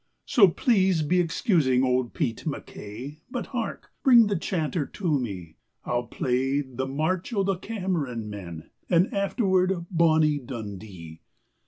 "So please be excusing old Pete MacKay But hark! bring the chanter to me, I'll play the 'March o' the Cameron Men,' And afterward 'Bonnie Dundee.'"